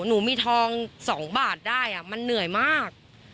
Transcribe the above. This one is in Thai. หนูมีทอง๒บาทได้มันเหนื่อยมาก